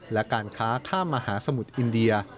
และการค้าข้ามมหาสมุทรอินเดีย